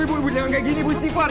ibu ibu jangan kayak gini ibu istifar